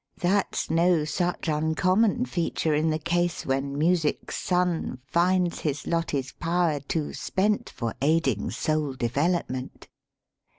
That's no such uncommon feature In the case when Music's son Finds his Lotte's power too spent For aiding soul development.